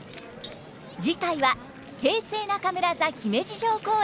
次回は平成中村座姫路城公演。